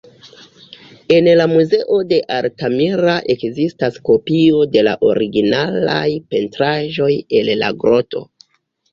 En la muzeo de Altamira ekzistas kopio de la originalaj pentraĵoj el la groto.